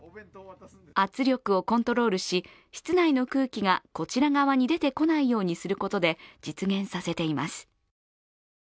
圧力をコントロールし、室内の空気がこちら側に出てこないようにすることで、実現させています。